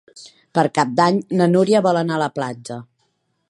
Per Cap d'Any na Núria vol anar a la platja.